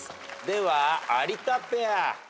では有田ペア。